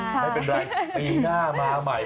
ไม่เป็นไรปีหน้ามาใหม่